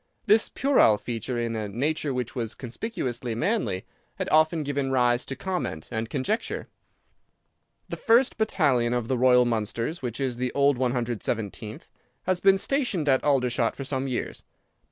This puerile feature in a nature which was conspicuously manly had often given rise to comment and conjecture. "The first battalion of the Royal Mallows (which is the old 117th) has been stationed at Aldershot for some years.